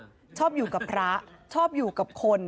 ชอบอยู่กับพระชอบอยู่กับคน